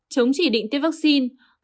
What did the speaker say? chống chỉ định tiêm vaccine